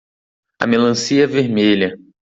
A melancia é vermelha.